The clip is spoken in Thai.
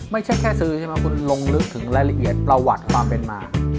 ไม่ใช่แค่ซื้อใช่ไหมคุณลงลึกถึงรายละเอียดประวัติความเป็นมา